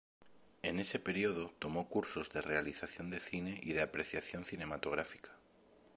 En ese periodo tomó cursos de realización de cine y de apreciación cinematográfica.